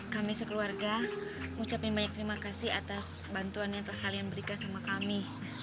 kami sekeluarga mengucapkan banyak terima kasih atas bantuan yang telah kalian berikan sama kami